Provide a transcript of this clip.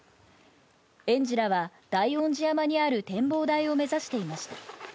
園児らは大音寺山にある展望台を目指していました。